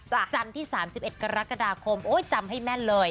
จันที่๓๑กรกฎาคมจำให้แม่นเลย